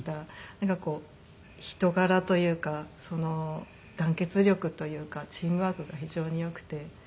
なんかこう人柄というか団結力というかチームワークが非常に良くて。